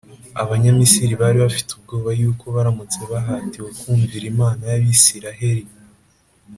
abanyamisiri bari bafite ubwoba yuko baramutse bahatiwe kumvira imana y’abisiraheli,